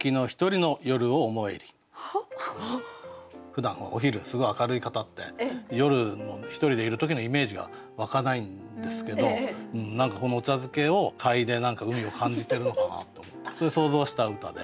ふだんお昼すごい明るい方って夜１人でいる時のイメージが湧かないんですけど何かこのお茶漬けを嗅いで海を感じてるのかなと思ってそれを想像した歌で。